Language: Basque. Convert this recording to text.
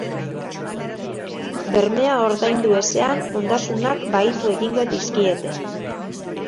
Bermea ordaindu ezean, ondasunak bahitu egingo dizkiete.